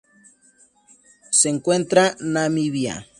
Se encuentra Namibia.